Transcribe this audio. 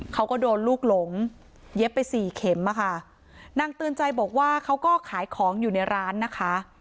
เขาก็โดนลูกหลงเย็บไปสี่เข็มอ่ะค่ะนางเตือนใจบอกว่าเขาก็ขายของอยู่ในร้านนะคะ